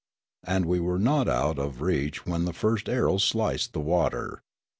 And we were not out of reach when the first arrows sliced the water.